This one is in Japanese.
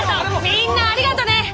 みんなありがとねぇ。